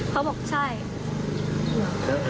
เขาบอกใช่เพราะว่าก็หนึ่งอ่ะพี่ก็หนูเพิ่งจบ